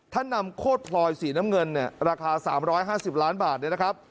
ท่านนำโคตรพลอยสีน้ำเงินเนี่ยราคาสามร้อยห้าสิบล้านบาทเนี่ยนะครับ